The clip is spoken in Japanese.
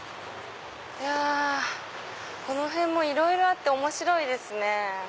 この辺もいろいろあって面白いですね。